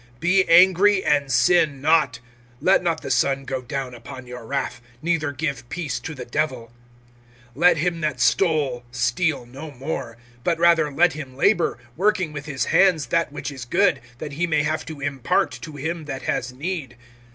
(26)Be angry and sin not; let not the sun go down upon your wrath, (27)neither give place to the Devil. (28)Let him that stole steal no more; but rather let him labor, working with his hands that which is good, that he may have to impart to him that has need.